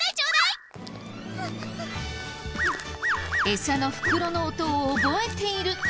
エサの袋の音を覚えている。